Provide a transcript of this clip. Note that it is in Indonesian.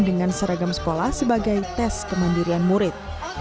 dengan seragam sekolah sebagai tes kemandirian murid